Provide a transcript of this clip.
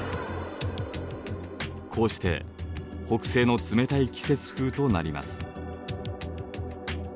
こうして北西の冷たい季節風となります。